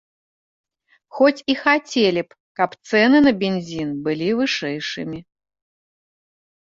Хоць і хацелі б, каб цэны на бензін былі вышэйшымі.